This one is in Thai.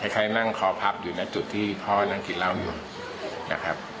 ใครนั่งคอพับอยู่ในจุดที่พ่อนั่งกินเหล้าอยู่นะครับ